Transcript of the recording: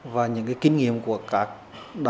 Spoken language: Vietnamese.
và những kinh nghiệm của các nhà máy thủy điện